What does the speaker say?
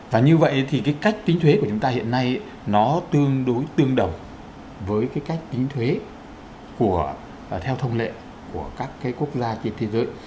và như vậy thì cái cách tính thuế của chúng ta hiện nay nó tương đối tương đồng với cái cách tính thuế theo thông lệ của các cái quốc gia trên thế giới